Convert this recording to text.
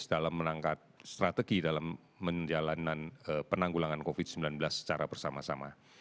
dalam menangkat strategi dalam menjalankan penanggulangan covid sembilan belas secara bersama sama